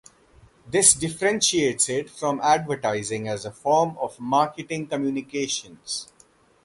This differentiates it from advertising as a form of marketing communications.